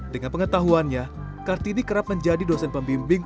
dengan pengetahuannya kartini kerap menjadi dosen pembimbing